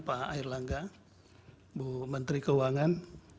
pak air langga bu menteri keuangan